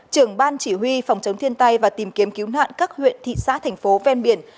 trưởng ban chỉ huy phòng chống thiên tai và tìm kiếm cứu nạn các huyện thị xã thành phố ven biển